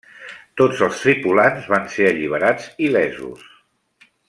Tots els tripulants van ser alliberats il·lesos.